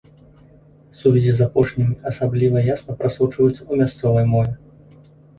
Сувязі з апошнімі асабліва ясна прасочваюцца ў мясцовай мове.